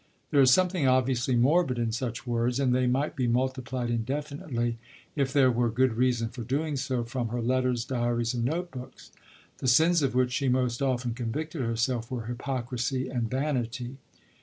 There is something obviously morbid in such words, and they might be multiplied indefinitely, if there were good reason for doing so, from her letters, diaries, and note books. The sins of which she most often convicted herself were "hypocrisy" and "vanity."